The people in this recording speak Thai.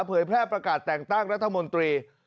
เผยแพร่ประกาศแต่งตั้งรัฐมนตรี